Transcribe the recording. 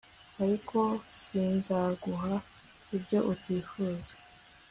ariko sinzaguha ibyo utifuza